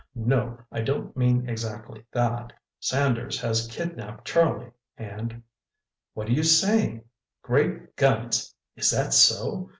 No, I don't mean exactly that ... Sanders has kidnapped Charlie and.... What are you saying? Great guns—is that so?